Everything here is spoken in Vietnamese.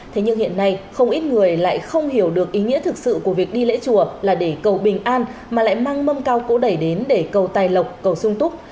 thế nhưng hiện nay không ít người lại không hiểu được ý nghĩa thực sự của việc đi lễ chùa là để cầu bình an mà lại mang mâm cao cỗ đẩy đến để cầu tài lộc cầu sung túc